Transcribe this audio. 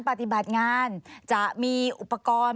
ปฏิบัติงานจะมีอุปกรณ์